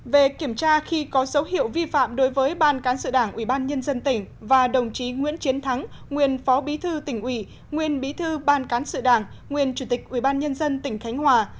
về kiểm tra khi có dấu hiệu vi phạm đối với ban cán sự đảng ubnd tỉnh và đồng chí nguyễn chiến thắng nguyên phó bí thư tỉnh ủy nguyên bí thư ban cán sự đảng nguyên chủ tịch ubnd tỉnh khánh hòa